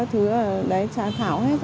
h ba với cả h hai s